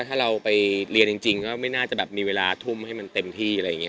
ถ้าเราไปเรียนจริงก็ไม่น่าจะแบบมีเวลาทุ่มให้มันเต็มที่อะไรอย่างนี้